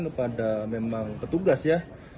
kepada memang ketugas ya